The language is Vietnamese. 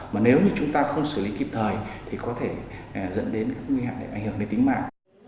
mà nếu như chúng ta không xử lý kịp thời thì có thể dẫn đến các nguy hại ảnh hưởng đến tính mạng